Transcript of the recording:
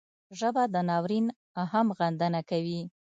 ژبه د ناورین هم غندنه کوي